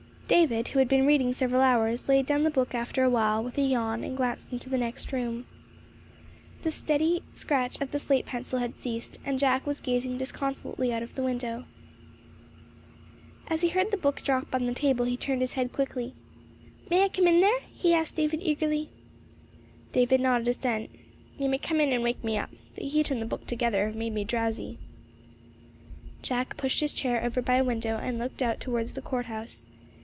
David, who had been reading several hours, laid down the book after a while, with a yawn, and glanced into the next room. The steady scratch of the slate pencil had ceased, and Jack was gazing disconsolately out of the window. As he heard the book drop on the table he turned his head quickly. "May I come in there?" he asked David eagerly. David nodded assent. "You may come in and wake me up. The heat and the book together, have made me drowsy." Jack pushed his chair over by a window, and looked out towards the court house.